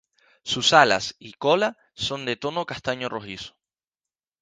Sus alas y cola son de tono castaño rojizo.